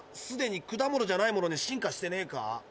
すでに果物じゃないものに進化してねえか？